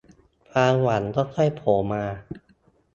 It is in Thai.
ความหวังค่อยค่อยโผล่มา